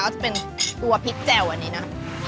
ก็จะเป็นตัวพริกแจ่วอันนี้นะ